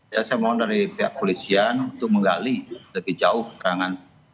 ya saya mohon dari pihak polisian untuk menggali lebih jauh keterangan